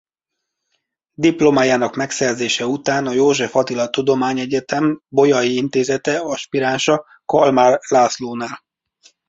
Diplomájának megszerzése után a József Attila Tudományegyetem Bolyai Intézete aspiránsa Kalmár Lászlónál.